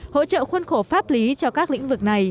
hỗ trợ khuôn khổ pháp lý cho các lĩnh vực này